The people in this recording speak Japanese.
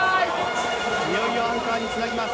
いよいよアンカーにつなぎます。